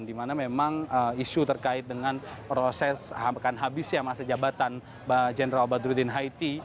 dimana memang isu terkait dengan proses akan habisnya masa jabatan jenderal badrudin haiti